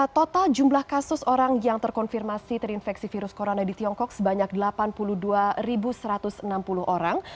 total jumlah kasus orang yang terkonfirmasi terinfeksi virus corona di tiongkok sebanyak delapan puluh dua satu ratus enam puluh orang